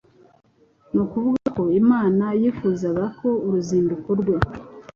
ni ukuvuga ko Imana yifuzaga ko uruzinduko rwe